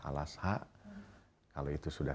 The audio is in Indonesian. alas hak kalau itu sudah